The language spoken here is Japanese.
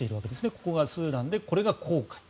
ここがスーダンでこれが紅海と。